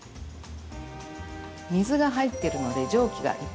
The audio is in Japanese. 水が入ってるので蒸気がいっぱいになります。